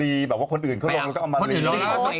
รีหรือแบบว่าคนอื่นเข้ารมเราก็เอามารี